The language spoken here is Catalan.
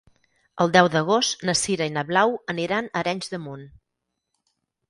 El deu d'agost na Sira i na Blau aniran a Arenys de Munt.